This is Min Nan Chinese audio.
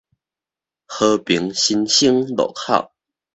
和平新生路口